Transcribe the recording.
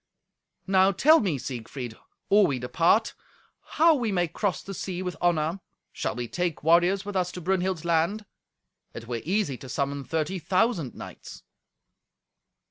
"Now tell me, Siegfried, or we depart, how we may cross the sea with honour? Shall we take warriors with us to Brunhild's land? It were easy to summon thirty thousand knights."